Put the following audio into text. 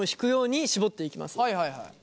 はいはいはい。